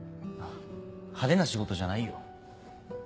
派手な仕事じゃないよ。